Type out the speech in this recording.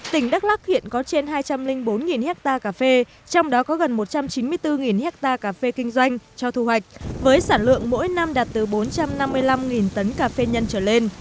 tỉnh đắk lắc hiện có trên hai trăm linh bốn hectare cà phê trong đó có gần một trăm chín mươi bốn hectare cà phê kinh doanh cho thu hoạch với sản lượng mỗi năm đạt từ bốn trăm năm mươi năm tấn cà phê nhân trở lên